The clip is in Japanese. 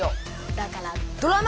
だからドラマ！